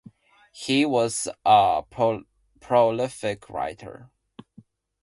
He was a prolific writer.